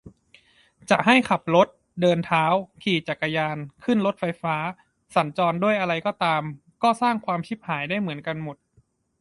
จะให้ขับรถ เดินเท้า ขี่จักรยาน ขึ้นรถไฟฟ้า สัญจรด้วยอะไรก็ตาม ก็สร้างความชิบหายได้เหมือนกันหมด